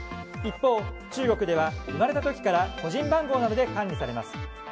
一方、中国では生まれた時から個人番号などで管理されます。